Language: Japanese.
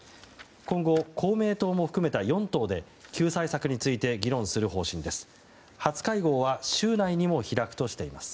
今後、公明党も含めた４党で救済策について議論する方針です。